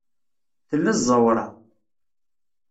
Tella ẓẓawra?